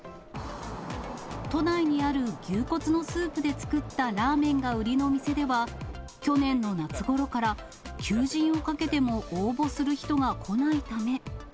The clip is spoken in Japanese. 都内にある牛骨のスープで作ったラーメンが売りの店では、去年の夏ごろから、求人をかけても応募する人が来ないため。